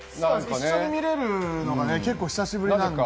一緒に見れるのが久しぶりなんで。